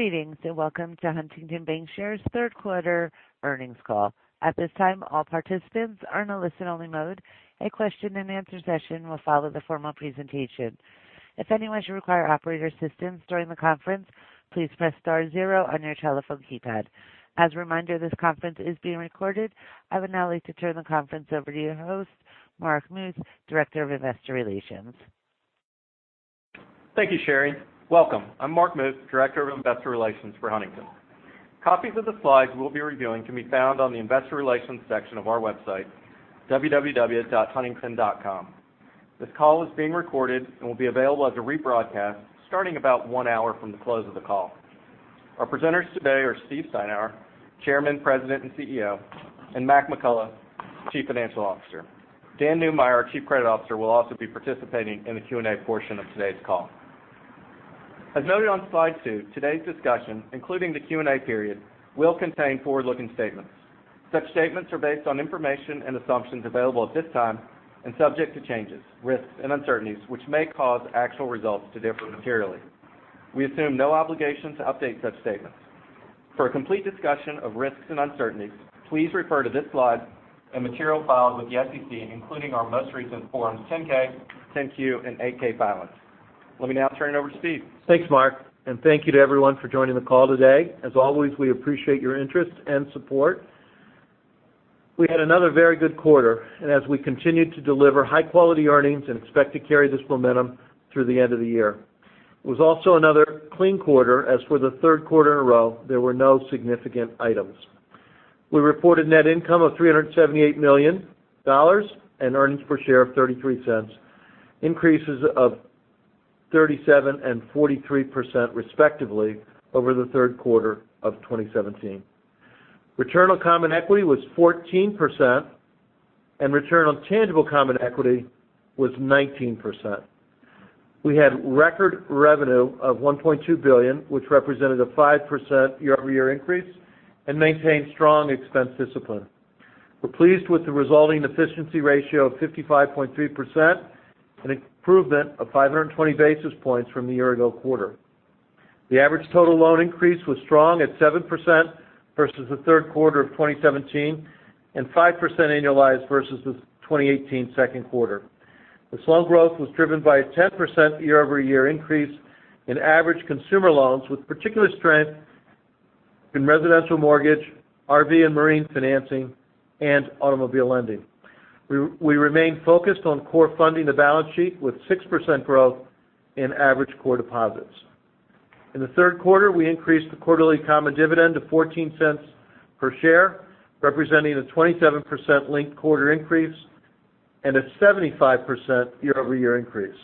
Greetings, and welcome to Huntington Bancshares third quarter earnings call. At this time, all participants are in a listen-only mode. A question and answer session will follow the formal presentation. If anyone should require operator assistance during the conference, please press star zero on your telephone keypad. As a reminder, this conference is being recorded. I would now like to turn the conference over to your host, Mark Muth, Director of Investor Relations. Thank you, Sherry. Welcome. I'm Mark Muth, Director of Investor Relations for Huntington. Copies of the slides we'll be reviewing can be found on the investor relations section of our website, www.huntington.com. This call is being recorded and will be available as a rebroadcast starting about one hour from the close of the call. Our presenters today are Steve Steinour, Chairman, President, and CEO, and Mac McCullough, Chief Financial Officer. Dan Neumeyer, our Chief Credit Officer will also be participating in the Q&A portion of today's call. As noted on slide two, today's discussion, including the Q&A period, will contain forward-looking statements. Such statements are based on information and assumptions available at this time and subject to changes, risks, and uncertainties, which may cause actual results to differ materially. We assume no obligation to update such statements. For a complete discussion of risks and uncertainties, please refer to this slide and material filed with the SEC, including our most recent Forms 10-K, 10-Q, and 8-K filings. Let me now turn it over to Steve. Thanks, Mark, and thank you to everyone for joining the call today. As always, we appreciate your interest and support. We had another very good quarter, and as we continue to deliver high-quality earnings and expect to carry this momentum through the end of the year. It was also another clean quarter, as for the third quarter in a row, there were no significant items. We reported net income of $378 million and earnings per share of $0.33, increases of 37% and 43%, respectively, over the third quarter of 2017. Return on common equity was 14%, and return on tangible common equity was 19%. We had record revenue of $1.2 billion, which represented a 5% year-over-year increase, and maintained strong expense discipline. We're pleased with the resulting efficiency ratio of 55.3%, an improvement of 520 basis points from the year-ago quarter. The average total loan increase was strong at 7% versus the third quarter of 2017 and 5% annualized versus the 2018 second quarter. This loan growth was driven by a 10% year-over-year increase in average consumer loans, with particular strength in residential mortgage, RV and marine financing, and automobile lending. We remain focused on core funding the balance sheet with 6% growth in average core deposits. In the third quarter, we increased the quarterly common dividend to $0.14 per share, representing a 27% linked quarter increase and a 75% year-over-year increase.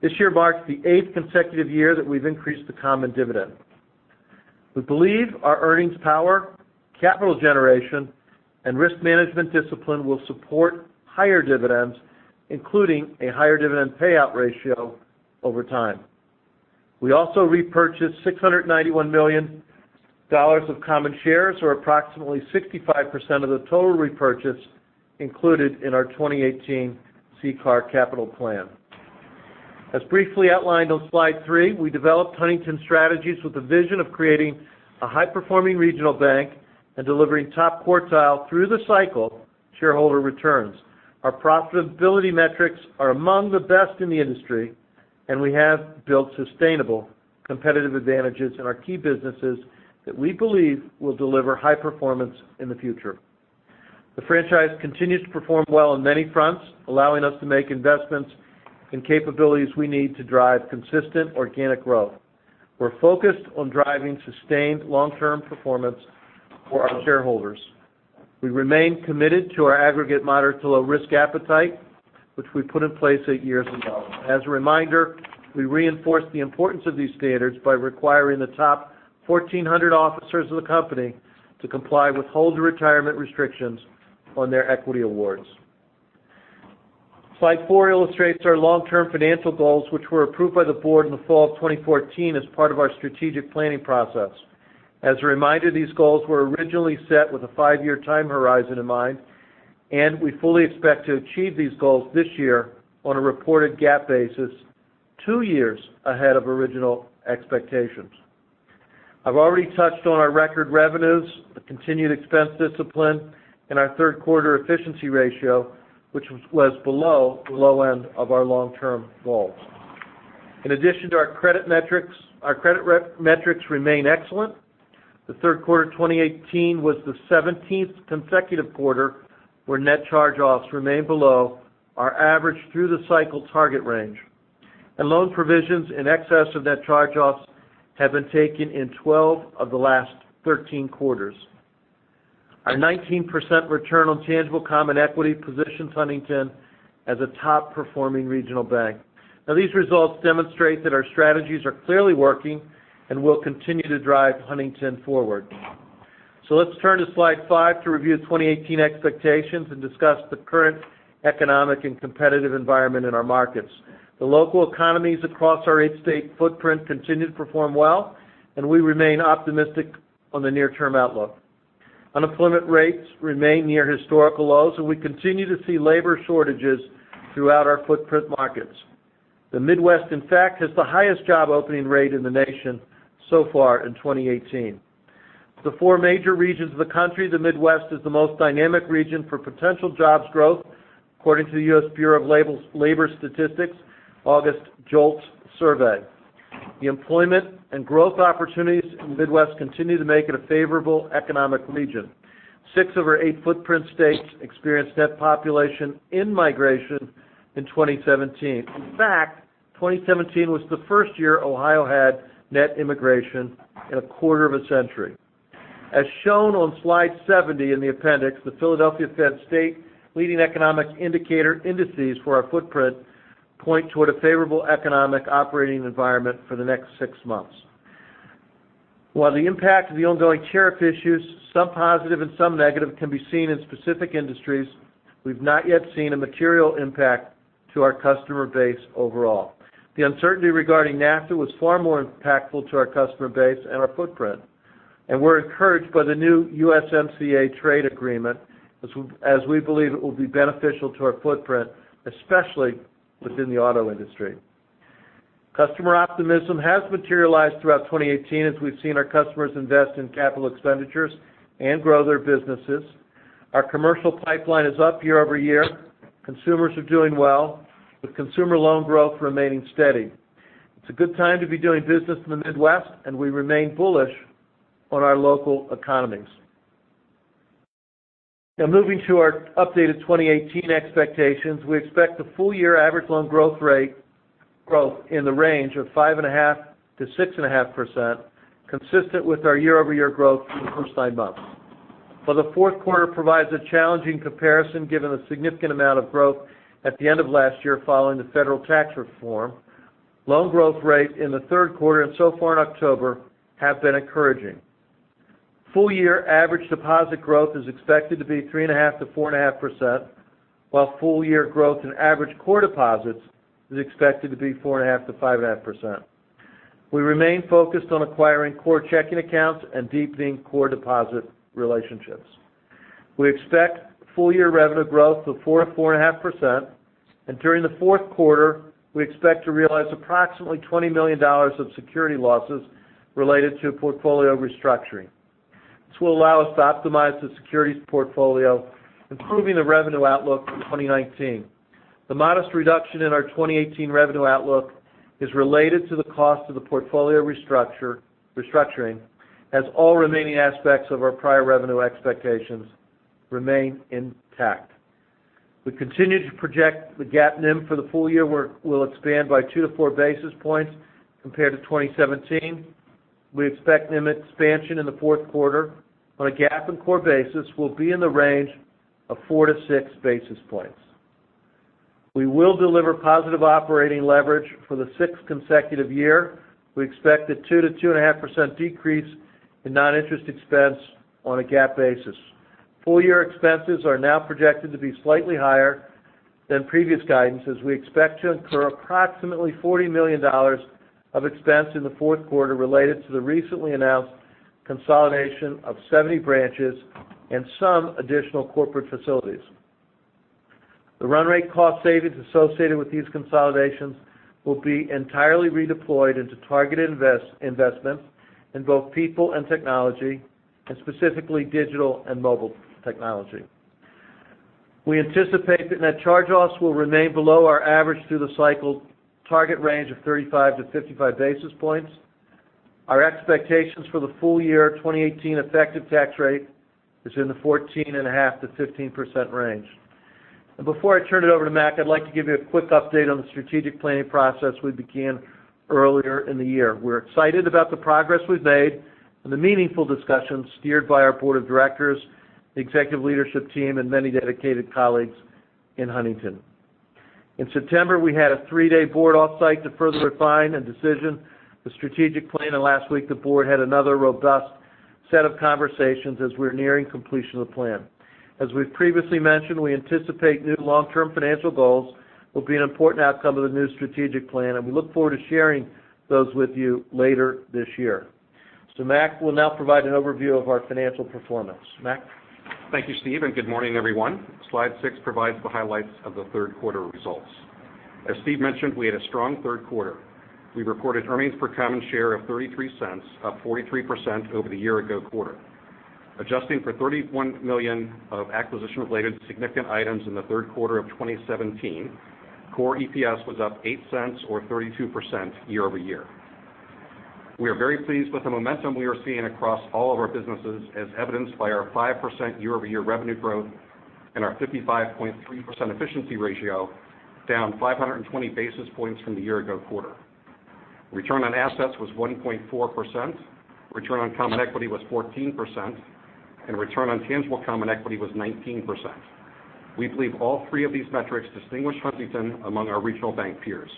This year marks the eighth consecutive year that we've increased the common dividend. We believe our earnings power, capital generation, and risk management discipline will support higher dividends, including a higher dividend payout ratio over time. We also repurchased $691 million of common shares, or approximately 65% of the total repurchase included in our 2018 CCAR capital plan. As briefly outlined on slide three, we developed Huntington strategies with the vision of creating a high-performing regional bank and delivering top-quartile through the cycle shareholder returns. Our profitability metrics are among the best in the industry, and we have built sustainable competitive advantages in our key businesses that we believe will deliver high performance in the future. The franchise continues to perform well on many fronts, allowing us to make investments in capabilities we need to drive consistent organic growth. We're focused on driving sustained long-term performance for our shareholders. We remain committed to our aggregate moderate to low risk appetite, which we put in place eight years ago. As a reminder, we reinforce the importance of these standards by requiring the top 1,400 officers of the company to comply with hold-to-retirement restrictions on their equity awards. Slide four illustrates our long-term financial goals, which were approved by the board in the fall of 2014 as part of our strategic planning process. As a reminder, these goals were originally set with a five-year time horizon in mind, and we fully expect to achieve these goals this year on a reported GAAP basis, two years ahead of original expectations. I've already touched on our record revenues, the continued expense discipline, and our third quarter efficiency ratio, which was below the low end of our long-term goals. In addition to our credit metrics, our credit metrics remain excellent. The third quarter 2018 was the 17th consecutive quarter where net charge-offs remained below our average through the cycle target range, and loan provisions in excess of net charge-offs have been taken in 12 of the last 13 quarters. Our 19% return on tangible common equity positions Huntington as a top-performing regional bank. These results demonstrate that our strategies are clearly working and will continue to drive Huntington forward. Let's turn to slide five to review 2018 expectations and discuss the current economic and competitive environment in our markets. The local economies across our eight-state footprint continue to perform well, and we remain optimistic on the near-term outlook. Unemployment rates remain near historical lows, and we continue to see labor shortages throughout our footprint markets. The Midwest, in fact, has the highest job opening rate in the nation so far in 2018. Of the four major regions of the country, the Midwest is the most dynamic region for potential jobs growth according to the U.S. Bureau of Labor Statistics August JOLTS survey. The employment and growth opportunities in the Midwest continue to make it a favorable economic region. Six of our eight footprint states experienced net population in-migration in 2017. In fact, 2017 was the first year Ohio had net immigration in a quarter of a century. As shown on slide 70 in the appendix, the Federal Reserve Bank of Philadelphia State Leading Economic Indicator indices for our footprint point toward a favorable economic operating environment for the next six months. While the impact of the ongoing tariff issues, some positive and some negative, can be seen in specific industries, we've not yet seen a material impact to our customer base overall. The uncertainty regarding NAFTA was far more impactful to our customer base and our footprint, and we're encouraged by the new USMCA trade agreement, as we believe it will be beneficial to our footprint, especially within the auto industry. Customer optimism has materialized throughout 2018 as we've seen our customers invest in capital expenditures and grow their businesses. Our commercial pipeline is up year-over-year. Consumers are doing well, with consumer loan growth remaining steady. It's a good time to be doing business in the Midwest, and we remain bullish on our local economies. Moving to our updated 2018 expectations. We expect the full year average loan growth rate growth in the range of 5.5%-6.5%, consistent with our year-over-year growth through the first nine months. While the fourth quarter provides a challenging comparison given the significant amount of growth at the end of last year following the federal tax reform, loan growth rate in the third quarter and so far in October have been encouraging. Full year average deposit growth is expected to be 3.5%-4.5%, while full year growth in average core deposits is expected to be 4.5%-5.5%. We remain focused on acquiring core checking accounts and deepening core deposit relationships. We expect full year revenue growth of 4%-4.5%. During the fourth quarter, we expect to realize approximately $20 million of security losses related to portfolio restructuring. This will allow us to optimize the securities portfolio, improving the revenue outlook for 2019. The modest reduction in our 2018 revenue outlook is related to the cost of the portfolio restructuring, as all remaining aspects of our prior revenue expectations remain intact. We continue to project the GAAP NIM for the full year will expand by 2-4 basis points compared to 2017. We expect NIM expansion in the fourth quarter on a GAAP and core basis will be in the range of 4-6 basis points. We will deliver positive operating leverage for the sixth consecutive year. We expect a 2%-2.5% decrease in non-interest expense on a GAAP basis. Full year expenses are now projected to be slightly higher than previous guidance, as we expect to incur approximately $40 million of expense in the fourth quarter related to the recently announced consolidation of 70 branches and some additional corporate facilities. The run rate cost savings associated with these consolidations will be entirely redeployed into targeted investments in both people and technology, and specifically digital and mobile technology. We anticipate net charge-offs will remain below our average through the cycle target range of 35-55 basis points. Our expectations for the full year 2018 effective tax rate is in the 14.5%-15% range. Before I turn it over to Mac, I'd like to give you a quick update on the strategic planning process we began earlier in the year. We're excited about the progress we've made and the meaningful discussions steered by our board of directors, the executive leadership team, and many dedicated colleagues in Huntington. In September, we had a 3-day board offsite to further refine and decision the strategic plan. Last week, the board had another robust set of conversations as we're nearing completion of the plan. As we've previously mentioned, we anticipate new long-term financial goals will be an important outcome of the new strategic plan, and we look forward to sharing those with you later this year. Mac will now provide an overview of our financial performance. Mac? Thank you, Steve. Good morning, everyone. Slide six provides the highlights of the third quarter results. As Steve mentioned, we had a strong third quarter. We recorded earnings per common share of $0.33, up 43% over the year-ago quarter. Adjusting for $31 million of acquisition-related significant items in the third quarter of 2017, core EPS was up $0.08 or 32% year-over-year. We are very pleased with the momentum we are seeing across all of our businesses, as evidenced by our 5% year-over-year revenue growth and our 55.3% efficiency ratio, down 520 basis points from the year-ago quarter. Return on assets was 1.4%, return on common equity was 14%, and return on tangible common equity was 19%. We believe all three of these metrics distinguish Huntington among our regional bank peers.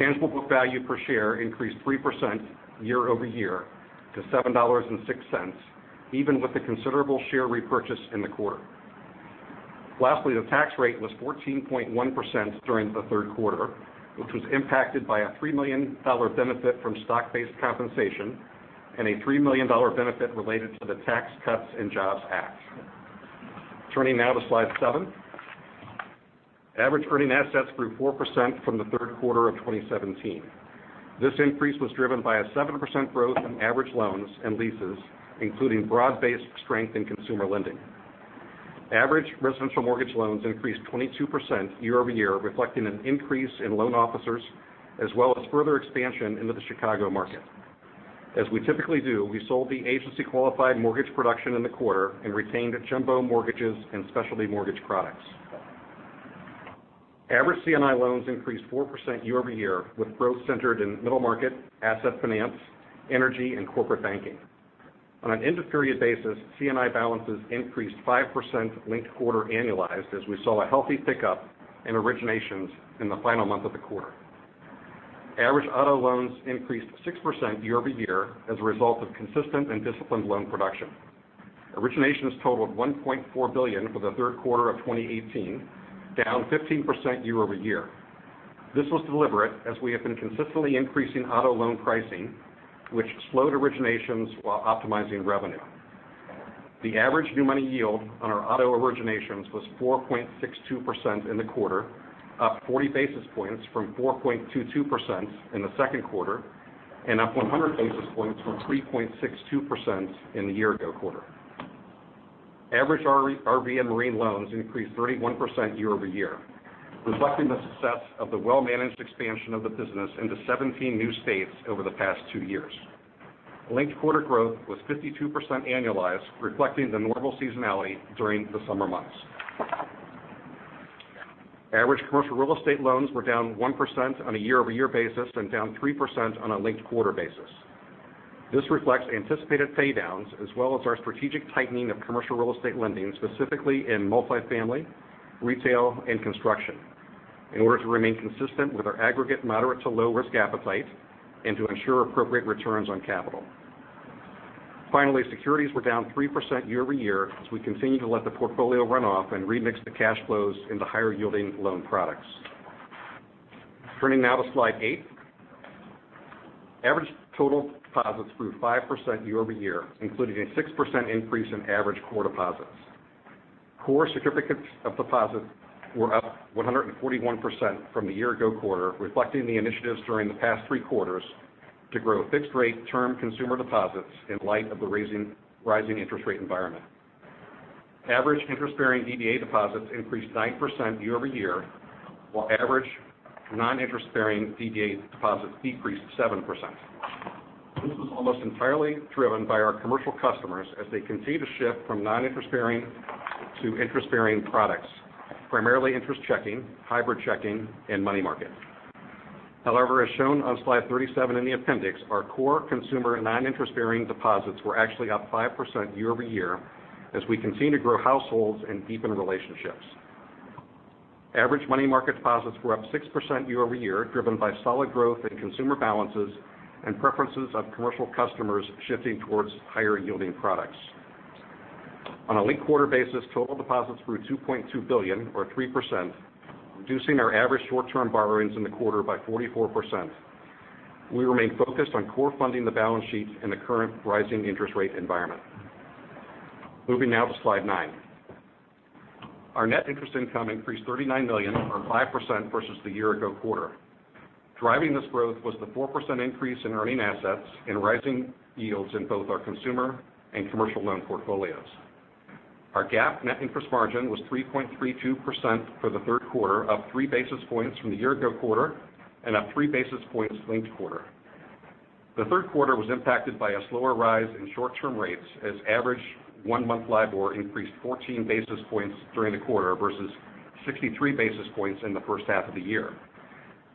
Tangible book value per share increased 3% year-over-year to $7.06, even with the considerable share repurchase in the quarter. Lastly, the tax rate was 14.1% during the third quarter, which was impacted by a $3 million benefit from stock-based compensation and a $3 million benefit related to the Tax Cuts and Jobs Act. Turning now to slide seven. Average earning assets grew 4% from the third quarter of 2017. This increase was driven by a 7% growth in average loans and leases, including broad-based strength in consumer lending. Average residential mortgage loans increased 22% year-over-year, reflecting an increase in loan officers as well as further expansion into the Chicago market. As we typically do, we sold the agency-qualified mortgage production in the quarter and retained jumbo mortgages and specialty mortgage products. Average C&I loans increased 4% year-over-year, with growth centered in middle market, asset finance, energy, and corporate banking. On an end-of-period basis, C&I balances increased 5% linked quarter annualized as we saw a healthy pickup in originations in the final month of the quarter. Average auto loans increased 6% year-over-year as a result of consistent and disciplined loan production. Originations totaled $1.4 billion for the third quarter of 2018, down 15% year-over-year. This was deliberate, as we have been consistently increasing auto loan pricing, which slowed originations while optimizing revenue. The average new money yield on our auto originations was 4.62% in the quarter, up 40 basis points from 4.22% in the second quarter and up 100 basis points from 3.62% in the year-ago quarter. Average RV and marine loans increased 31% year-over-year, reflecting the success of the well-managed expansion of the business into 17 new states over the past two years. Linked-quarter growth was 52% annualized, reflecting the normal seasonality during the summer months. Average commercial real estate loans were down 1% on a year-over-year basis and down 3% on a linked-quarter basis. This reflects anticipated paydowns as well as our strategic tightening of commercial real estate lending, specifically in multi-family, retail, and construction in order to remain consistent with our aggregate moderate to low-risk appetite and to ensure appropriate returns on capital. Finally, securities were down 3% year-over-year as we continue to let the portfolio run off and remix the cash flows into higher-yielding loan products. Turning now to slide eight. Average total deposits grew 5% year-over-year, including a 6% increase in average core deposits. Core certificates of deposits were up 141% from the year ago quarter, reflecting the initiatives during the past three quarters to grow fixed-rate term consumer deposits in light of the rising interest rate environment. Average interest-bearing DDA deposits increased 9% year-over-year, while average non-interest-bearing DDA deposits decreased 7%. This was almost entirely driven by our commercial customers as they continue to shift from non-interest-bearing to interest-bearing products, primarily interest checking, hybrid checking, and money market. However, as shown on slide 37 in the appendix, our core consumer non-interest-bearing deposits were actually up 5% year-over-year as we continue to grow households and deepen relationships. Average money market deposits were up 6% year-over-year, driven by solid growth in consumer balances and preferences of commercial customers shifting towards higher-yielding products. On a linked-quarter basis, total deposits grew $2.2 billion or 3%, reducing our average short-term borrowings in the quarter by 44%. We remain focused on core funding the balance sheet in the current rising interest rate environment. Moving now to slide nine. Our net interest income increased $39 million or 5% versus the year ago quarter. Driving this growth was the 4% increase in earning assets and rising yields in both our consumer and commercial loan portfolios. Our GAAP net interest margin was 3.32% for the third quarter, up three basis points from the year ago quarter and up three basis points linked-quarter. The third quarter was impacted by a slower rise in short-term rates as average one-month LIBOR increased 14 basis points during the quarter versus 63 basis points in the first half of the year.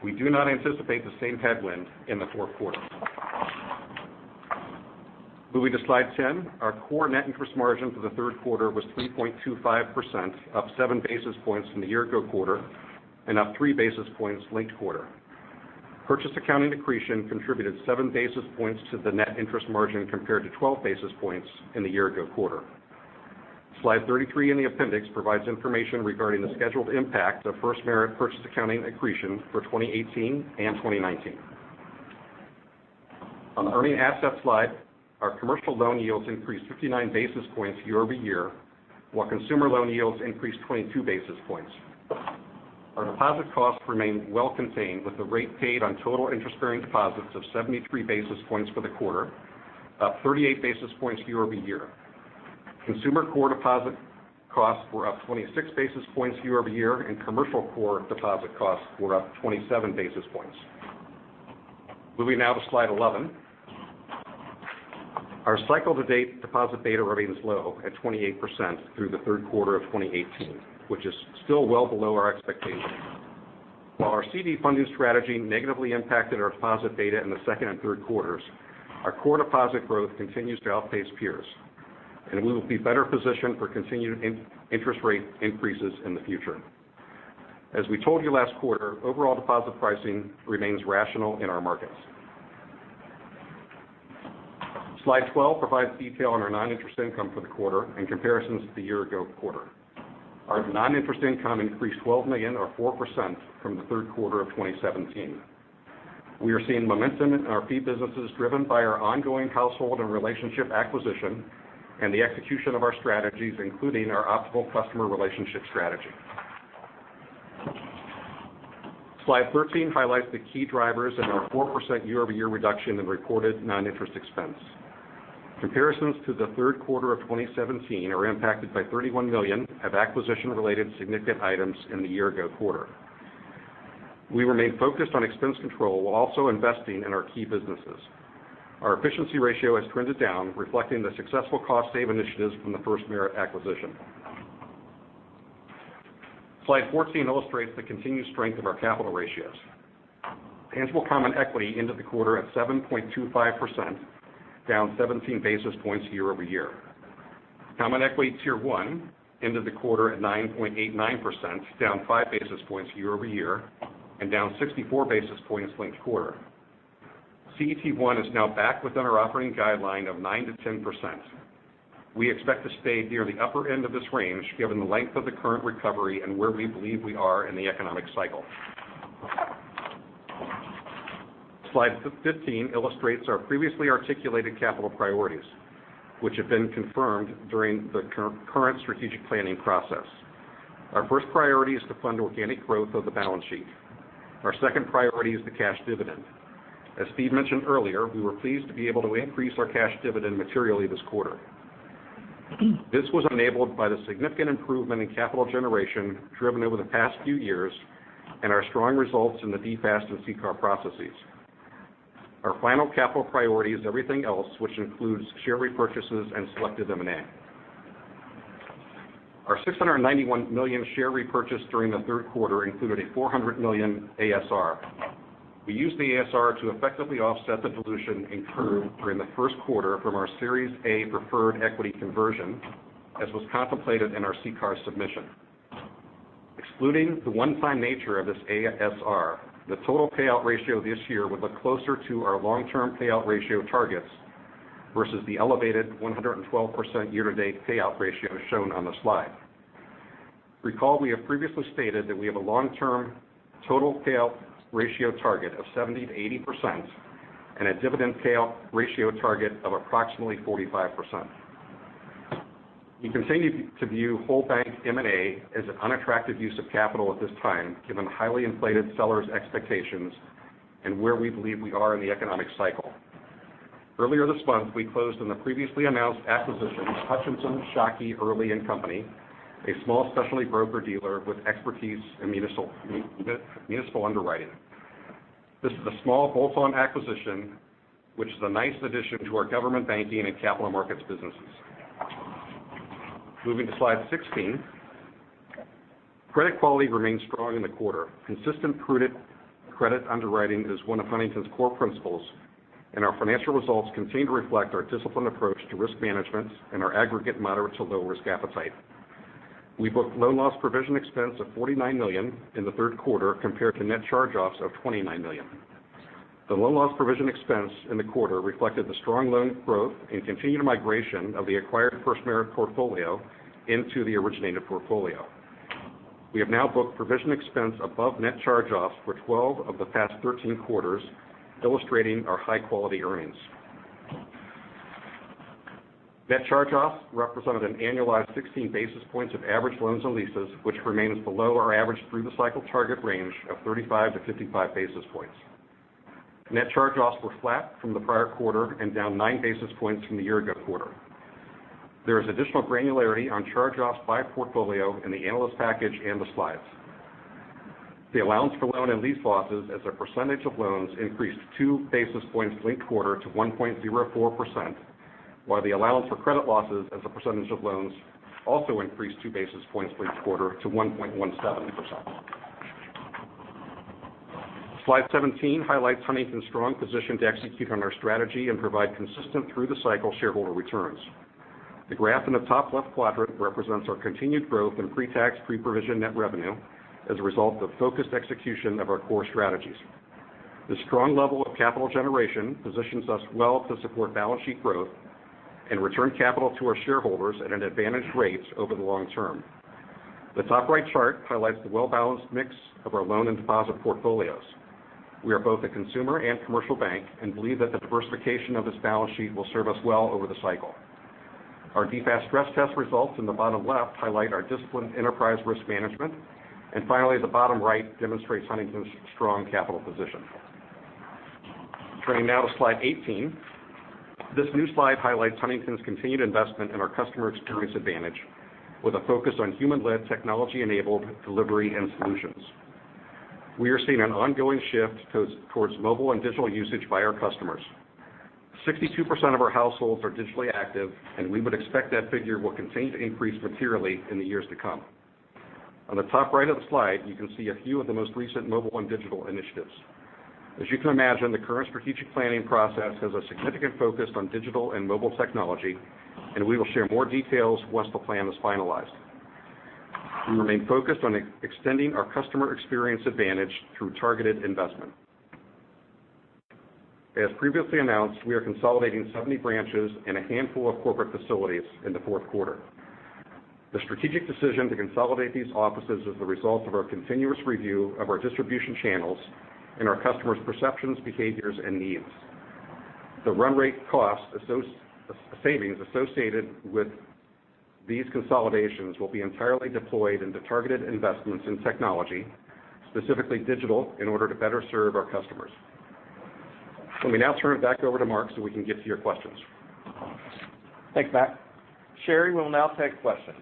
We do not anticipate the same headwind in the fourth quarter. Moving to slide 10. Our core net interest margin for the third quarter was 3.25%, up seven basis points from the year ago quarter and up three basis points linked-quarter. Purchase accounting accretion contributed seven basis points to the net interest margin compared to 12 basis points in the year ago quarter. Slide 33 in the appendix provides information regarding the scheduled impact of FirstMerit purchase accounting accretion for 2018 and 2019. On the earning assets slide, our commercial loan yields increased 59 basis points year-over-year, while consumer loan yields increased 22 basis points. Our deposit costs remain well contained with the rate paid on total interest-bearing deposits of 73 basis points for the quarter, up 38 basis points year-over-year. Consumer core deposit costs were up 26 basis points year-over-year, and commercial core deposit costs were up 27 basis points. Moving now to slide 11. Our cycle-to-date deposit beta remains low at 28% through the third quarter of 2018, which is still well below our expectations. While our CD funding strategy negatively impacted our deposit beta in the second and third quarters, our core deposit growth continues to outpace peers. We will be better positioned for continued interest rate increases in the future. As we told you last quarter, overall deposit pricing remains rational in our markets. Slide 12 provides detail on our non-interest income for the quarter in comparisons to the year-ago quarter. Our non-interest income increased $12 million, or 4%, from the third quarter of 2017. We are seeing momentum in our fee businesses driven by our ongoing household and relationship acquisition and the execution of our strategies, including our Optimal Customer Relationship strategy. Slide 13 highlights the key drivers in our 4% year-over-year reduction in reported non-interest expense. Comparisons to the third quarter of 2017 are impacted by $31 million of acquisition-related significant items in the year-ago quarter. We remain focused on expense control while also investing in our key businesses. Our efficiency ratio has trended down, reflecting the successful cost save initiatives from the FirstMerit acquisition. Slide 14 illustrates the continued strength of our capital ratios. Tangible common equity ended the quarter at 7.25%, down 17 basis points year-over-year. Common Equity Tier 1 ended the quarter at 9.89%, down five basis points year-over-year and down 64 basis points linked quarter. CET1 is now back within our operating guideline of 9%-10%. We expect to stay near the upper end of this range given the length of the current recovery and where we believe we are in the economic cycle. Slide 15 illustrates our previously articulated capital priorities, which have been confirmed during the current strategic planning process. Our first priority is to fund organic growth of the balance sheet. Our second priority is the cash dividend. As Steve mentioned earlier, we were pleased to be able to increase our cash dividend materially this quarter. This was enabled by the significant improvement in capital generation driven over the past few years and our strong results in the DFAST and CCAR processes. Our final capital priority is everything else, which includes share repurchases and selected M&A. Our $691 million share repurchase during the third quarter included a $400 million ASR. We used the ASR to effectively offset the dilution incurred during the first quarter from our Series A preferred equity conversion, as was contemplated in our CCAR submission. Excluding the one-time nature of this ASR, the total payout ratio this year would look closer to our long-term payout ratio targets versus the elevated 112% year-to-date payout ratio shown on the slide. Recall, we have previously stated that we have a long-term total payout ratio target of 70%-80% and a dividend payout ratio target of approximately 45%. We continue to view whole bank M&A as an unattractive use of capital at this time, given highly inflated sellers' expectations and where we believe we are in the economic cycle. Earlier this month, we closed on the previously announced acquisition of Hutchinson, Shockey, Erley & Co., a small specialty broker-dealer with expertise in municipal underwriting. This is a small bolt-on acquisition, which is a nice addition to our government banking and capital markets businesses. Moving to slide 16. Credit quality remains strong in the quarter. Consistent prudent credit underwriting is one of Huntington's core principles, and our financial results continue to reflect our disciplined approach to risk management and our aggregate moderate to low-risk appetite. We booked loan loss provision expense of $49 million in the third quarter compared to net charge-offs of $29 million. The loan loss provision expense in the quarter reflected the strong loan growth and continued migration of the acquired FirstMerit portfolio into the originated portfolio. We have now booked provision expense above net charge-offs for 12 of the past 13 quarters, illustrating our high-quality earnings. Net charge-offs represented an annualized 16 basis points of average loans and leases, which remains below our average through-the-cycle target range of 35-55 basis points. Net charge-offs were flat from the prior quarter and down nine basis points from the year-ago quarter. There is additional granularity on charge-offs by portfolio in the analyst package and the slides. The allowance for loan and lease losses as a percentage of loans increased two basis points linked quarter to 1.04%, while the allowance for credit losses as a percentage of loans also increased two basis points linked quarter to 1.17%. Slide 17 highlights Huntington's strong position to execute on our strategy and provide consistent through-the-cycle shareholder returns. The graph in the top left quadrant represents our continued growth in pre-tax, pre-provision net revenue as a result of focused execution of our core strategies. The strong level of capital generation positions us well to support balance sheet growth and return capital to our shareholders at advantageous rates over the long term. The top right chart highlights the well-balanced mix of our loan and deposit portfolios. We are both a consumer and commercial bank and believe that the diversification of this balance sheet will serve us well over the cycle. Our DFAST stress test results in the bottom left highlight our disciplined enterprise risk management. Finally, the bottom right demonstrates Huntington's strong capital position. Turning now to slide 18. This new slide highlights Huntington's continued investment in our customer experience advantage with a focus on human-led, technology-enabled delivery and solutions. We are seeing an ongoing shift towards mobile and digital usage by our customers. 62% of our households are digitally active, and we would expect that figure will continue to increase materially in the years to come. On the top right of the slide, you can see a few of the most recent mobile and digital initiatives. As you can imagine, the current strategic planning process has a significant focus on digital and mobile technology, and we will share more details once the plan is finalized. We remain focused on extending our customer experience advantage through targeted investment. As previously announced, we are consolidating 70 branches and a handful of corporate facilities in the fourth quarter. The strategic decision to consolidate these offices is the result of our continuous review of our distribution channels and our customers' perceptions, behaviors, and needs. The run rate cost savings associated with these consolidations will be entirely deployed into targeted investments in technology, specifically digital, in order to better serve our customers. Let me now turn it back over to Mark so we can get to your questions. Thanks, Mac. Sherry will now take questions.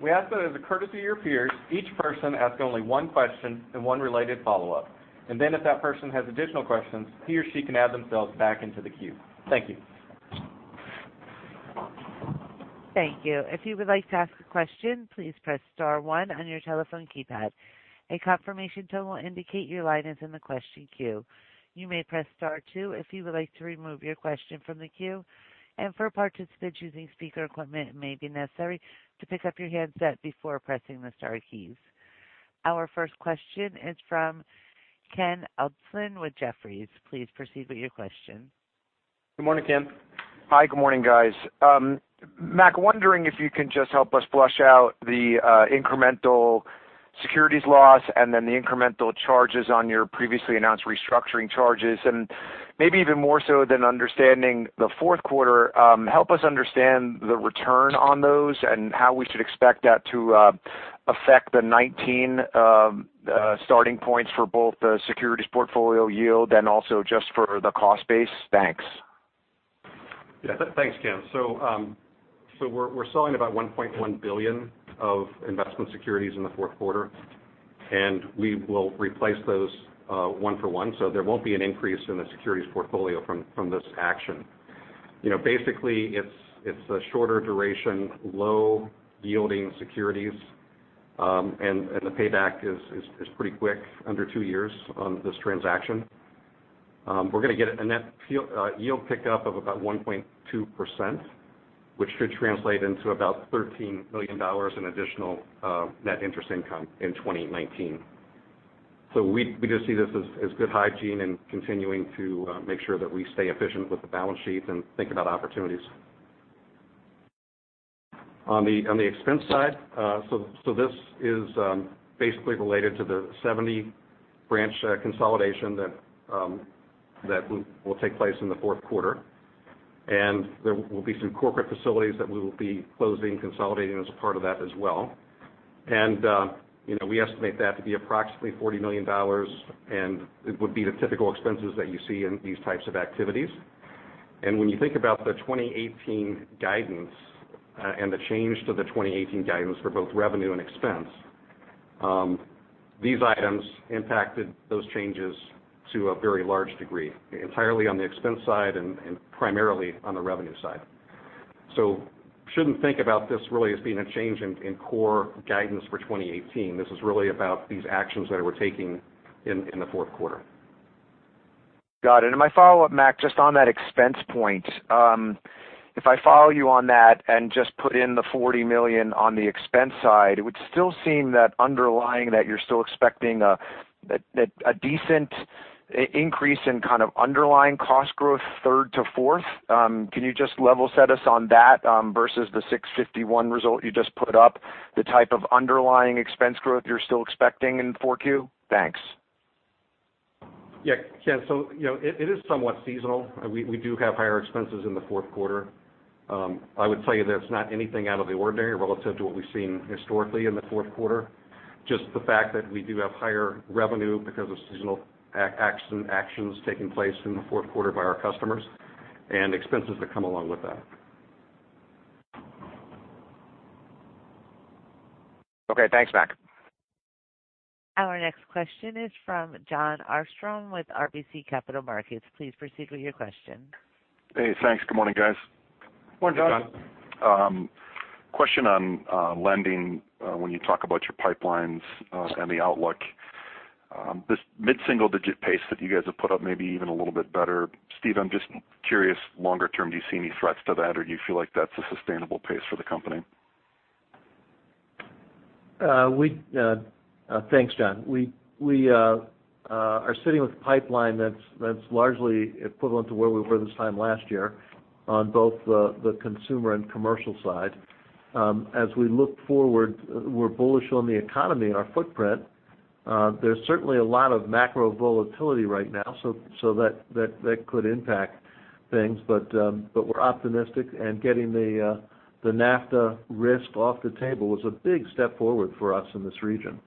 We ask that as a courtesy to your peers, each person ask only one question and one related follow-up. Then if that person has additional questions, he or she can add themselves back into the queue. Thank you. Thank you. If you would like to ask a question, please press star one on your telephone keypad. A confirmation tone will indicate your line is in the question queue. You may press star two if you would like to remove your question from the queue. For participants using speaker equipment, it may be necessary to pick up your handset before pressing the star keys. Our first question is from Ken Usdin with Jefferies. Please proceed with your question. Good morning, Ken. Hi, good morning, guys. Mac, wondering if you can just help us flush out the incremental securities loss then the incremental charges on your previously announced restructuring charges. Maybe even more so than understanding the fourth quarter, help us understand the return on those and how we should expect that to affect the 2019 starting points for both the securities portfolio yield and also just for the cost base. Thanks. Yeah. Thanks, Ken. We're selling about $1.1 billion of investment securities in the fourth quarter, and we will replace those one for one. There won't be an increase in the securities portfolio from this action. Basically, it's a shorter duration, low-yielding securities, and the payback is pretty quick, under two years on this transaction. We're going to get a net yield pick up of about 1.2%, which should translate into about $13 million in additional net interest income in 2019. We just see this as good hygiene and continuing to make sure that we stay efficient with the balance sheet and think about opportunities. On the expense side, this is basically related to the 70 branch consolidation that will take place in the fourth quarter. There will be some corporate facilities that we will be closing, consolidating as a part of that as well. We estimate that to be approximately $40 million, and it would be the typical expenses that you see in these types of activities. When you think about the 2018 guidance, and the change to the 2018 guidance for both revenue and expense, these items impacted those changes to a very large degree, entirely on the expense side and primarily on the revenue side. Shouldn't think about this really as being a change in core guidance for 2018. This is really about these actions that we're taking in the fourth quarter. Got it. My follow-up, Mac, just on that expense point. If I follow you on that and just put in the $40 million on the expense side, it would still seem that underlying that you're still expecting a decent increase in kind of underlying cost growth third to fourth. Can you just level set us on that, versus the $651 result you just put up? The type of underlying expense growth you're still expecting in 4Q? Thanks. Yeah. Ken, it is somewhat seasonal. We do have higher expenses in the fourth quarter. I would tell you that it's not anything out of the ordinary relative to what we've seen historically in the fourth quarter. Just the fact that we do have higher revenue because of seasonal actions taking place in the fourth quarter by our customers and expenses that come along with that. Okay, thanks, Mac. Our next question is from Jon Arfstrom with RBC Capital Markets. Please proceed with your question. Hey, thanks. Good morning, guys. Morning, Jon. Morning, Jon. Question on lending. When you talk about your pipelines and the outlook, this mid-single-digit pace that you guys have put up, maybe even a little bit better, Steve, I'm just curious, longer term, do you see any threats to that, or do you feel like that's a sustainable pace for the company? Thanks, Jon. We are sitting with a pipeline that's largely equivalent to where we were this time last year on both the consumer and commercial side. As we look forward, we're bullish on the economy and our footprint. There's certainly a lot of macro volatility right now, so that could impact things. We're optimistic and getting the NAFTA risk off the table was a big step forward for us in this region.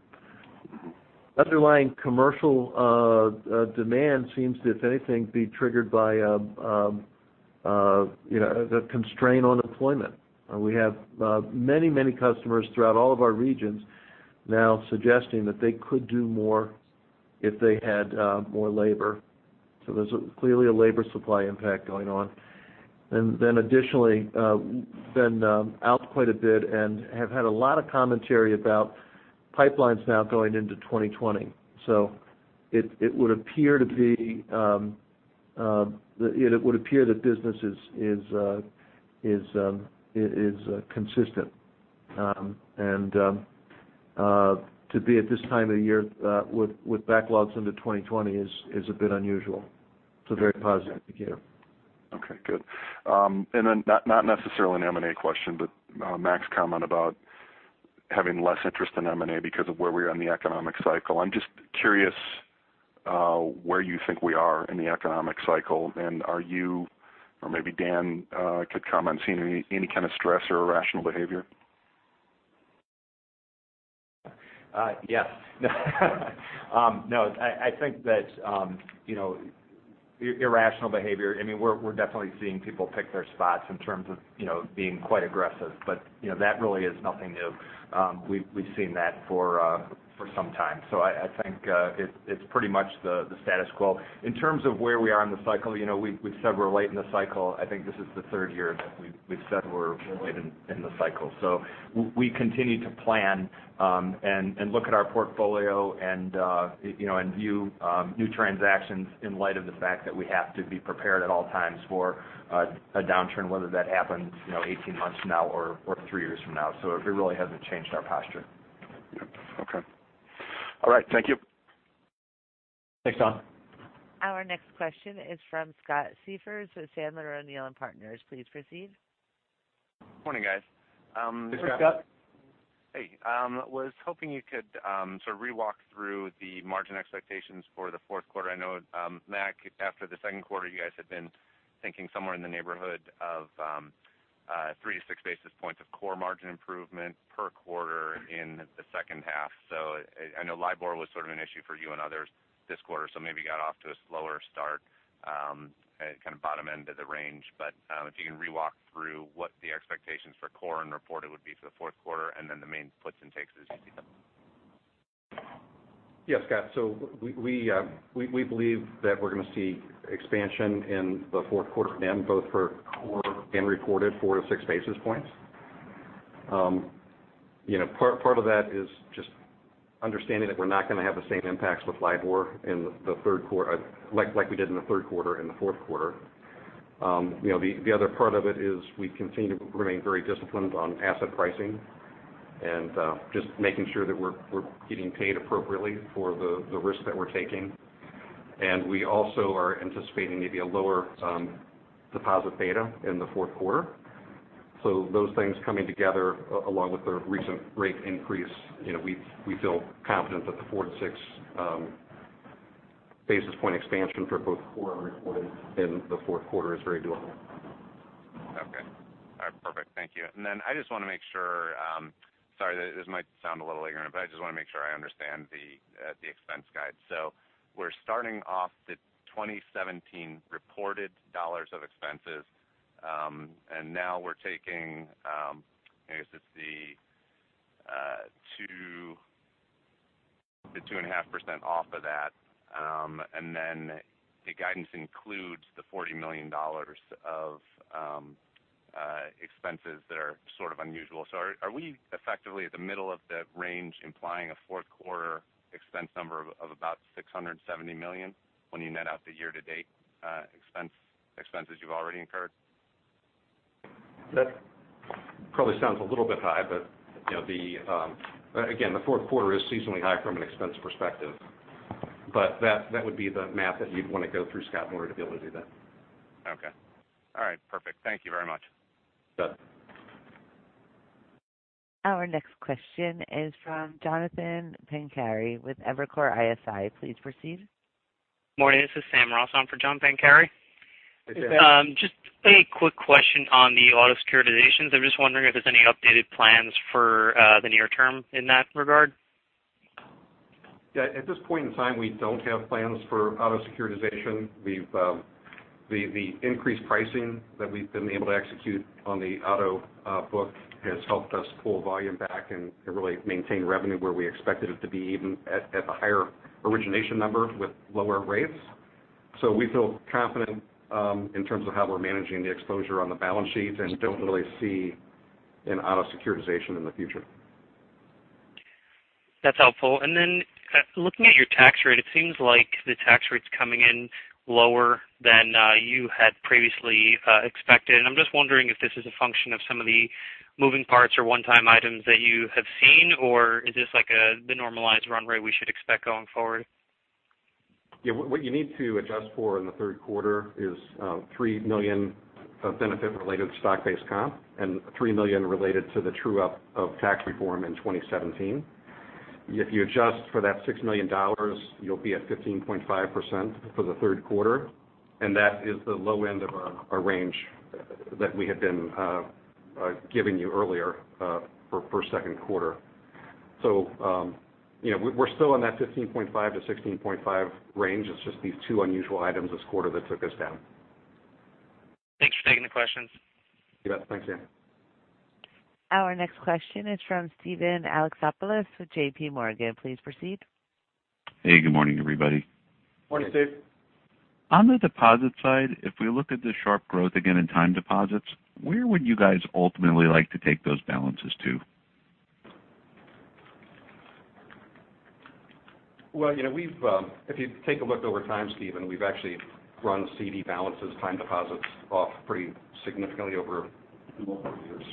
Underlying commercial demand seems, if anything, to be triggered by the constraint on employment. We have many customers throughout all of our regions now suggesting that they could do more if they had more labor. There's clearly a labor supply impact going on. Additionally, been out quite a bit and have had a lot of commentary about pipelines now going into 2020. It would appear to be It would appear that business is consistent. To be at this time of year with backlogs into 2020 is a bit unusual. It's a very positive indicator. Okay, good. Not necessarily an M&A question, but Mac's comment about having less interest in M&A because of where we are in the economic cycle. I'm just curious where you think we are in the economic cycle, and are you, or maybe Dan could comment, seeing any kind of stress or irrational behavior? Yes. No, I think that irrational behavior, we're definitely seeing people pick their spots in terms of being quite aggressive, but that really is nothing new. We've seen that for some time. I think it's pretty much the status quo. In terms of where we are in the cycle, we've said we're late in the cycle. I think this is the third year that we've said we're late in the cycle. We continue to plan and look at our portfolio and view new transactions in light of the fact that we have to be prepared at all times for a downturn, whether that happens 18 months from now or three years from now. It really hasn't changed our posture. Yep. Okay. All right. Thank you. Thanks, Tom. Our next question is from Scott Siefers with Sandler O'Neill & Partners. Please proceed. Morning, guys. Hey, Scott. Hey. Was hoping you could sort of re-walk through the margin expectations for the fourth quarter. I know, Mac, after the second quarter, you guys had been thinking somewhere in the neighborhood of 3 to 6 basis points of core margin improvement per quarter in the second half. I know LIBOR was sort of an issue for you and others this quarter, so maybe got off to a slower start at kind of bottom end of the range. If you can re-walk through what the expectations for core and reported would be for the fourth quarter and then the main puts and takes as you see them. Scott, we believe that we're going to see expansion in the fourth quarter both for core and reported 4 to 6 basis points. Part of that is just understanding that we're not going to have the same impacts with LIBOR like we did in the third quarter and the fourth quarter. The other part of it is we continue to remain very disciplined on asset pricing and just making sure that we're getting paid appropriately for the risk that we're taking. We also are anticipating maybe a lower deposit beta in the fourth quarter. Those things coming together along with the recent rate increase, we feel confident that the 4 to 6 basis point expansion for both core and reported in the fourth quarter is very doable. Okay. All right, perfect. Thank you. I just want to make sure, sorry this might sound a little ignorant, but I just want to make sure I understand the expense guide. We're starting off the 2017 reported dollars of expenses, and now we're taking the 2.5% off of that. The guidance includes the $40 million of expenses that are sort of unusual. Are we effectively at the middle of the range implying a fourth quarter expense number of about $670 million when you net out the year-to-date expenses you've already incurred? That probably sounds a little bit high, again, the fourth quarter is seasonally high from an expense perspective. That would be the math that you'd want to go through, Scott, in order to be able to do that. Okay. All right, perfect. Thank you very much. Sure. Our next question is from John Pancari with Evercore ISI. Please proceed. Morning. This is Sam Ross on for John Pancari. Hey, Sam. Just a quick question on the auto securitizations. I'm just wondering if there's any updated plans for the near term in that regard. At this point in time, we don't have plans for auto securitization. The increased pricing that we've been able to execute on the auto book has helped us pull volume back and really maintain revenue where we expected it to be even at the higher origination numbers with lower rates. We feel confident in terms of how we're managing the exposure on the balance sheet and don't really see an auto securitization in the future. That's helpful. Looking at your tax rate, it seems like the tax rate's coming in lower than you had previously expected. I'm just wondering if this is a function of some of the moving parts or one-time items that you have seen, or is this like the normalized run rate we should expect going forward? What you need to adjust for in the third quarter is $3 million of benefit related to stock-based comp and $3 million related to the true-up of tax reform in 2017. If you adjust for that $6 million, you'll be at 15.5% for the third quarter. That is the low end of a range that we had been giving you earlier for second quarter. We're still in that 15.5%-16.5% range. It's just these two unusual items this quarter that took us down. Thanks for taking the questions. You bet. Thanks, Sam. Our next question is from Steven Alexopoulos with JP Morgan. Please proceed. Hey, good morning, everybody. Morning, Steve. On the deposit side, if we look at the sharp growth again in time deposits, where would you guys ultimately like to take those balances to? Well, if you take a look over time, Steven, we've actually run CD balances, time deposits off pretty significantly over multiple years.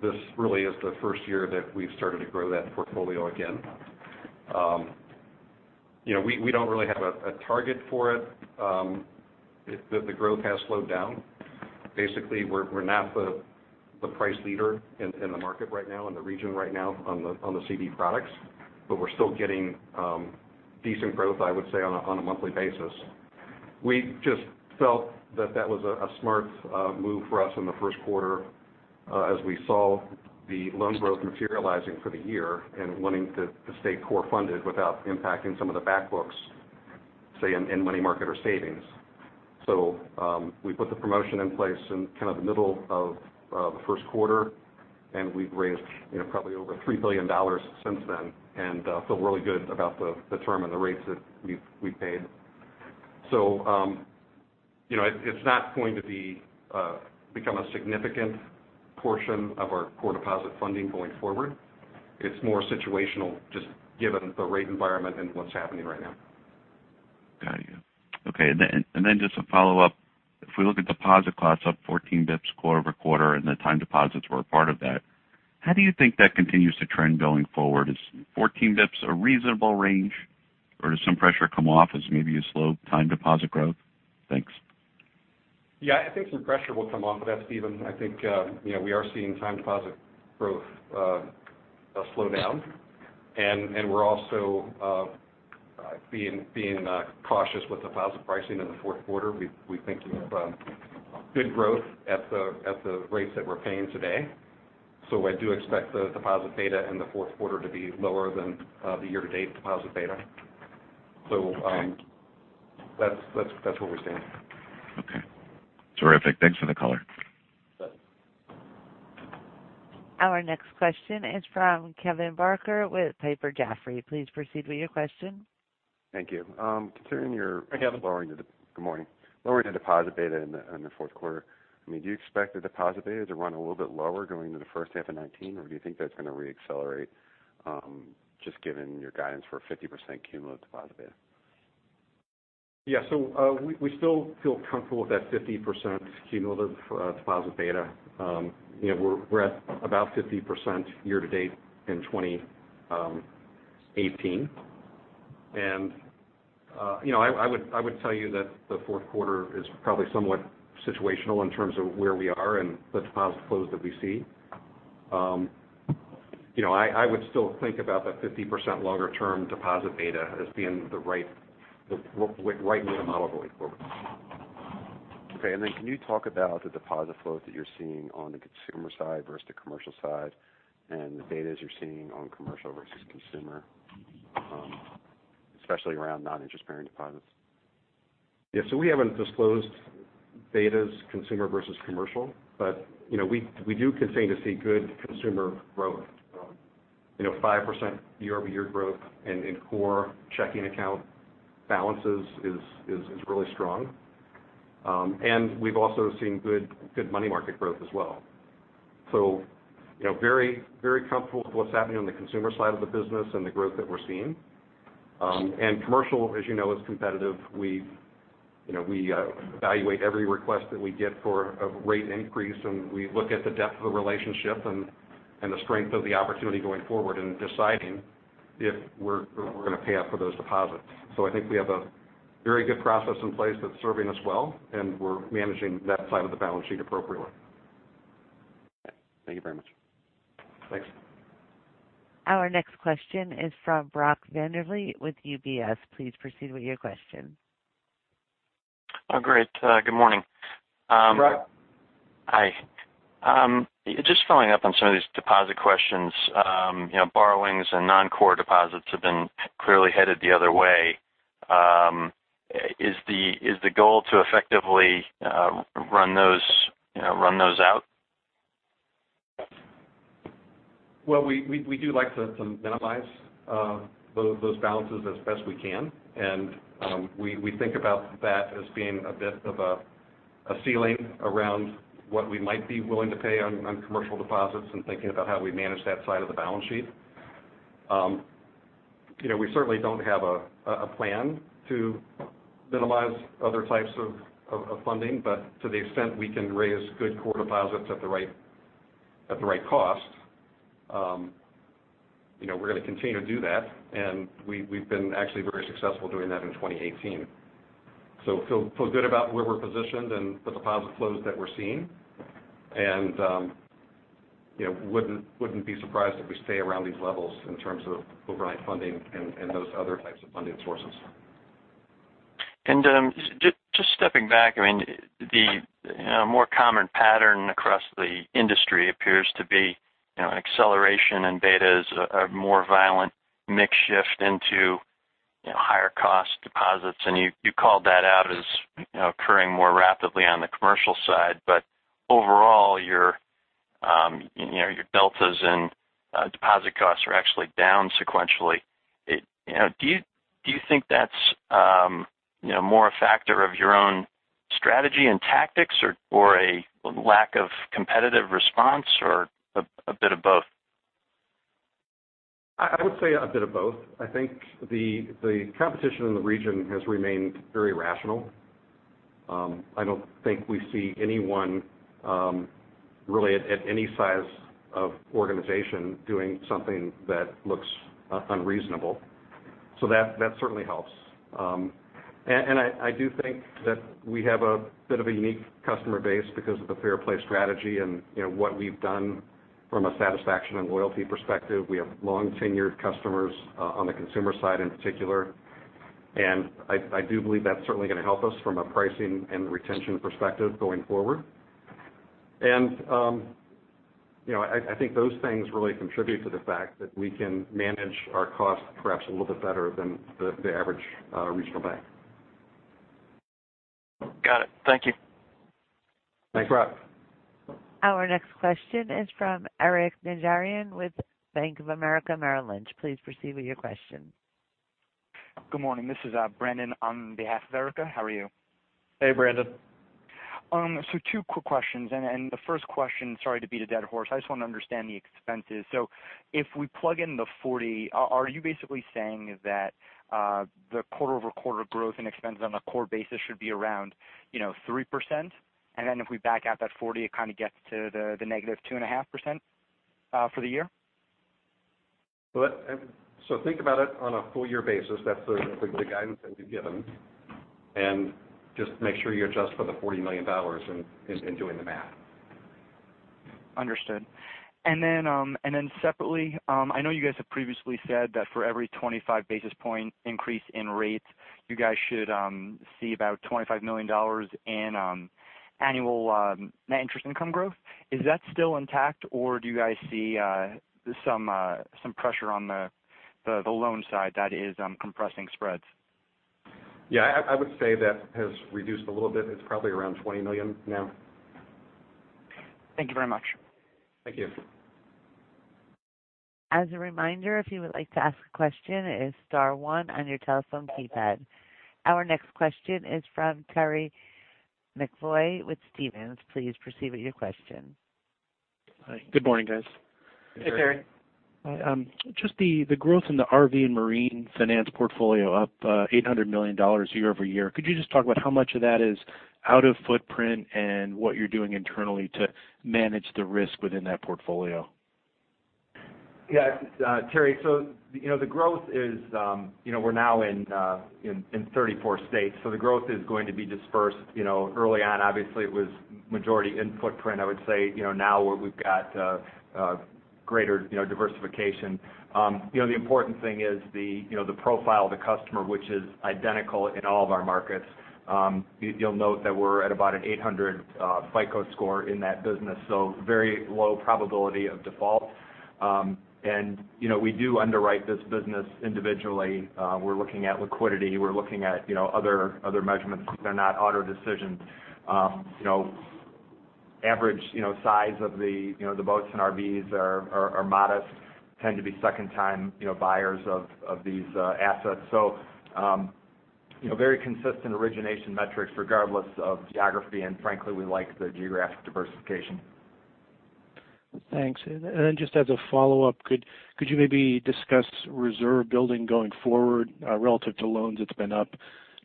This really is the first year that we've started to grow that portfolio again. We don't really have a target for it. The growth has slowed down. Basically, we're not the price leader in the market right now, in the region right now on the CD products, but we're still getting decent growth, I would say, on a monthly basis. We just felt that that was a smart move for us in the first quarter as we saw the loan growth materializing for the year and wanting to stay core funded without impacting some of the back books, say, in money market or savings. We put the promotion in place in the middle of the first quarter, and we've raised probably over $3 billion since then and feel really good about the term and the rates that we've paid. It's not going to become a significant portion of our core deposit funding going forward. It's more situational, just given the rate environment and what's happening right now. Got you. Okay. Then just a follow-up. If we look at deposit costs up 14 basis points quarter-over-quarter, and the time deposits were a part of that, how do you think that continues to trend going forward? Is 14 basis points a reasonable range, or does some pressure come off as maybe a slow time deposit growth? Thanks. I think some pressure will come off of that, Stephen. I think we are seeing time deposit growth slow down, we're also being cautious with deposit pricing in the fourth quarter. We're thinking of good growth at the rates that we're paying today. I do expect the deposit beta in the fourth quarter to be lower than the year-to-date deposit beta. Okay. That's what we're seeing. Okay. Terrific. Thanks for the color. Sure. Our next question is from Kevin Barker with Piper Jaffray. Please proceed with your question. Thank you. Hi, Kevin. Good morning. Lowering the deposit beta in the fourth quarter, do you expect the deposit beta to run a little bit lower going into the first half of 2019, or do you think that's going to re-accelerate, just given your guidance for a 50% cumulative deposit beta? Yeah. We still feel comfortable with that 50% cumulative deposit beta. We're at about 50% year-to-date in 2018. I would tell you that the fourth quarter is probably somewhat situational in terms of where we are and the deposit flows that we see. I would still think about that 50% longer-term deposit beta as being the right model going forward. Can you talk about the deposit flow that you're seeing on the consumer side versus the commercial side and the betas you're seeing on commercial versus consumer, especially around non-interest-bearing deposits? Yeah. We haven't disclosed betas consumer versus commercial, we do continue to see good consumer growth. 5% year-over-year growth in core checking account balances is really strong. We've also seen good money market growth as well. Very comfortable with what's happening on the consumer side of the business and the growth that we're seeing. Commercial, as you know, is competitive. We evaluate every request that we get for a rate increase, we look at the depth of the relationship and the strength of the opportunity going forward in deciding if we're going to pay up for those deposits. I think we have a very good process in place that's serving us well, we're managing that side of the balance sheet appropriately. Thank you very much. Thanks. Our next question is from Brock Vandervliet with UBS. Please proceed with your question. Great. Good morning. Brock. Hi. Just following up on some of these deposit questions. Borrowings and non-core deposits have been clearly headed the other way. Is the goal to effectively run those out? Well, we do like to minimize those balances as best we can. We think about that as being a bit of a ceiling around what we might be willing to pay on commercial deposits and thinking about how we manage that side of the balance sheet. We certainly don't have a plan to minimize other types of funding. To the extent we can raise good core deposits at the right cost, we're going to continue to do that. We've been actually very successful doing that in 2018. Feel good about where we're positioned and the deposit flows that we're seeing. Wouldn't be surprised if we stay around these levels in terms of overnight funding and those other types of funding sources. Just stepping back, the more common pattern across the industry appears to be an acceleration in betas, a more violent mix shift into higher cost deposits, and you called that out as occurring more rapidly on the commercial side. Overall, your deltas and deposit costs are actually down sequentially. Do you think that's more a factor of your own strategy and tactics, or a lack of competitive response, or a bit of both? I would say a bit of both. I think the competition in the region has remained very rational. I don't think we see anyone, really at any size of organization, doing something that looks unreasonable. That certainly helps. I do think that we have a bit of a unique customer base because of the Fair Play strategy and what we've done from a satisfaction and loyalty perspective. We have long-tenured customers on the consumer side in particular, and I do believe that's certainly going to help us from a pricing and retention perspective going forward. I think those things really contribute to the fact that we can manage our costs perhaps a little bit better than the average regional bank. Got it. Thank you. Thanks, Rob. Our next question is from Erika Najarian with Bank of America Merrill Lynch. Please proceed with your question. Good morning. This is Brandon on behalf of Erika. How are you? Hey, Brandon. Two quick questions. The first question, sorry to beat a dead horse. I just want to understand the expenses. If we plug in the 40, are you basically saying that the quarter-over-quarter growth in expenses on a core basis should be around 3%? If we back out that 40, it kind of gets to the negative 2.5% for the year? Think about it on a full year basis. That's the guidance that we've given, and just make sure you adjust for the $40 million in doing the math. Separately, I know you guys have previously said that for every 25 basis point increase in rates, you guys should see about $25 million in annual net interest income growth. Is that still intact, or do you guys see some pressure on the loan side that is compressing spreads? Yeah, I would say that has reduced a little bit. It's probably around $20 million now. Thank you very much. Thank you. As a reminder, if you would like to ask a question, it is star one on your telephone keypad. Our next question is from Terry McEvoy with Stephens. Please proceed with your question. Hi. Good morning, guys. Hey, Terry. Just the growth in the RV and marine finance portfolio up $800 million year-over-year. Could you just talk about how much of that is out of footprint and what you're doing internally to manage the risk within that portfolio? Terry, the growth is we're now in 34 states. The growth is going to be dispersed. Early on, obviously, it was majority in footprint. I would say, now we've got greater diversification. The important thing is the profile of the customer, which is identical in all of our markets. You'll note that we're at about an 800 FICO score in that business. Very low probability of default. We do underwrite this business individually. We're looking at liquidity. We're looking at other measurements. They're not auto decisions. Average size of the boats and RVs are modest, tend to be second-time buyers of these assets. Very consistent origination metrics regardless of geography. Frankly, we like the geographic diversification. Thanks. Just as a follow-up, could you maybe discuss reserve building going forward relative to loans? It's been up,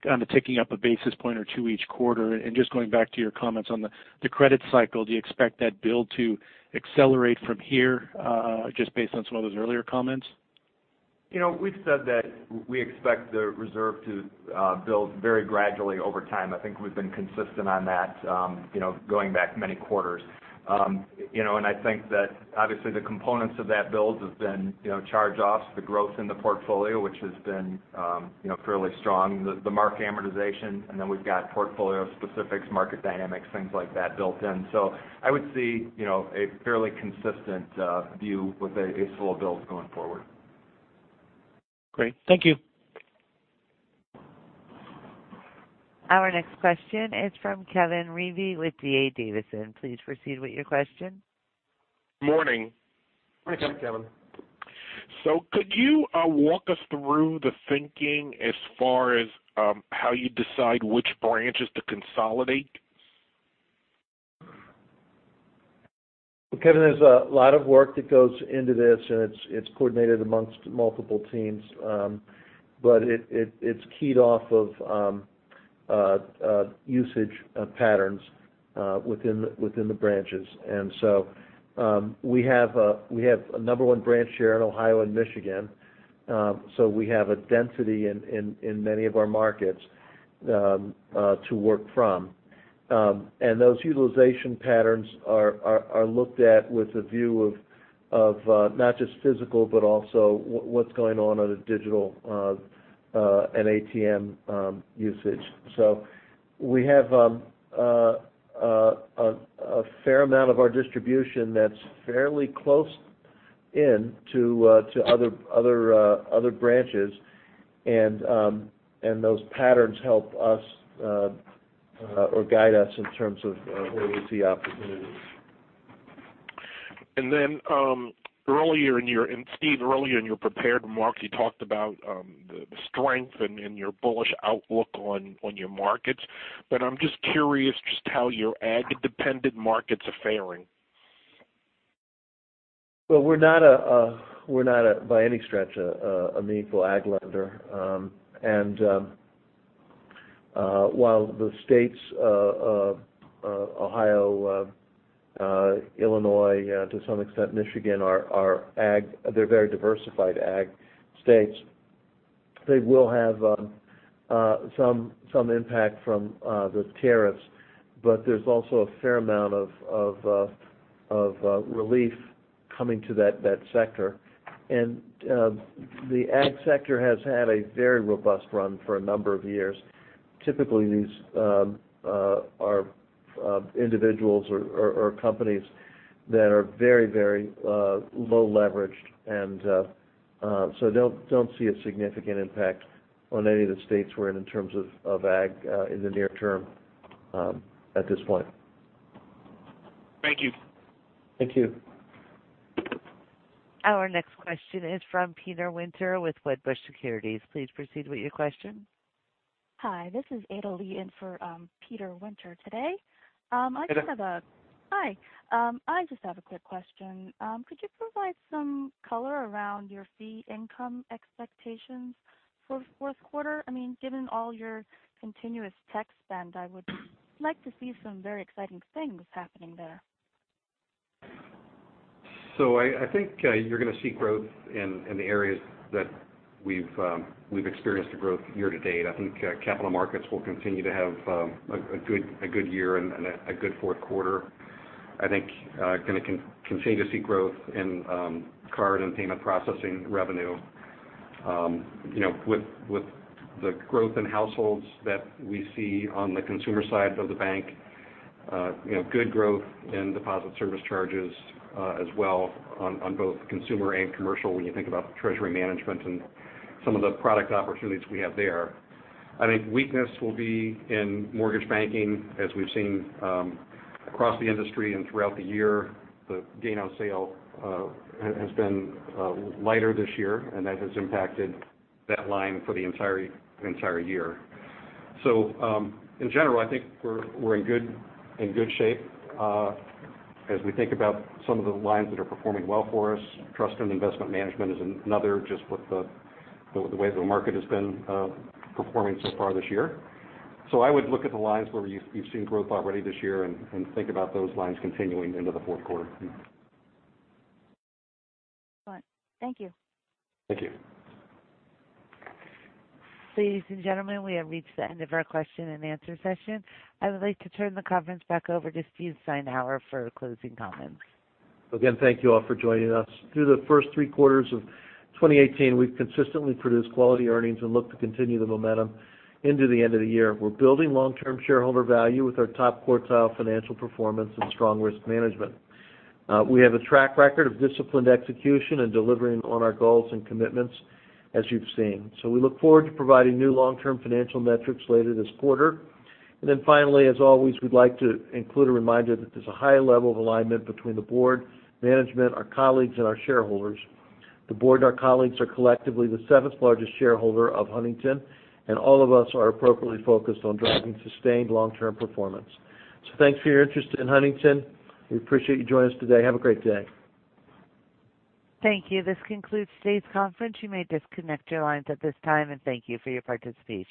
kind of ticking up a basis point or two each quarter. Just going back to your comments on the credit cycle, do you expect that build to accelerate from here just based on some of those earlier comments? We've said that we expect the reserve to build very gradually over time. I think we've been consistent on that going back many quarters. I think that obviously the components of that build have been charge-offs, the growth in the portfolio, which has been fairly strong, the mark amortization. We've got portfolio specifics, market dynamics, things like that built in. I would see a fairly consistent view with a slow build going forward. Great. Thank you. Our next question is from Kevin Reavy with D.A. Davidson. Please proceed with your question. Morning. Morning, Kevin. Could you walk us through the thinking as far as how you decide which branches to consolidate? Kevin, there's a lot of work that goes into this, and it's coordinated amongst multiple teams. It's keyed off of usage patterns within the branches. We have a number one branch share in Ohio and Michigan. We have a density in many of our markets to work from. Those utilization patterns are looked at with a view of not just physical, but also what's going on in a digital and ATM usage. We have a fair amount of our distribution that's fairly close in to other branches, and those patterns help us or guide us in terms of where we see opportunities. Steve, earlier in your prepared remarks, you talked about the strength and your bullish outlook on your markets. I'm just curious just how your ag-dependent markets are faring. Well, we're not, by any stretch, a meaningful ag lender. While the states of Ohio, Illinois, to some extent Michigan, they're very diversified ag states. They will have some impact from the tariffs, but there's also a fair amount of relief coming to that sector. The ag sector has had a very robust run for a number of years. Typically, these are individuals or companies that are very low leveraged. Don't see a significant impact on any of the states we're in in terms of ag, in the near term, at this point. Thank you. Thank you. Our next question is from Peter Winter with Wedbush Securities. Please proceed with your question. Hi, this is Ada Lee in for Peter Winter today. Ada. Hi. I just have a quick question. Could you provide some color around your fee income expectations for fourth quarter? Given all your continuous tech spend, I would like to see some very exciting things happening there. I think you're going to see growth in the areas that we've experienced the growth year to date. I think capital markets will continue to have a good year and a good fourth quarter. I think going to continue to see growth in card and payment processing revenue. With the growth in households that we see on the consumer side of the bank, good growth in deposit service charges as well on both consumer and commercial, when you think about treasury management and some of the product opportunities we have there. I think weakness will be in mortgage banking, as we've seen across the industry and throughout the year. The gain on sale has been lighter this year, and that has impacted that line for the entire year. In general, I think we're in good shape. As we think about some of the lines that are performing well for us, trust and investment management is another, just with the way the market has been performing so far this year. I would look at the lines where you've seen growth already this year and think about those lines continuing into the fourth quarter. All right. Thank you. Thank you. Ladies and gentlemen, we have reached the end of our question and answer session. I would like to turn the conference back over to Steve Steinour for closing comments. Thank you all for joining us. Through the first three quarters of 2018, we've consistently produced quality earnings and look to continue the momentum into the end of the year. We're building long-term shareholder value with our top-quartile financial performance and strong risk management. We have a track record of disciplined execution and delivering on our goals and commitments, as you've seen. We look forward to providing new long-term financial metrics later this quarter. Finally, as always, we'd like to include a reminder that there's a high level of alignment between the board, management, our colleagues, and our shareholders. The board and our colleagues are collectively the seventh largest shareholder of Huntington, and all of us are appropriately focused on driving sustained long-term performance. Thanks for your interest in Huntington. We appreciate you joining us today. Have a great day. Thank you. This concludes today's conference. You may disconnect your lines at this time, and thank you for your participation.